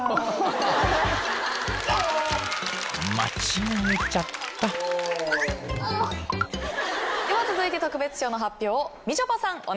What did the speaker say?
［間違えちゃった］では続いて特別賞の発表をみちょぱさんお願いします。